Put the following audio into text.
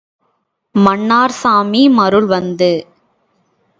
மன்னார்சாமி மருள் வந்து.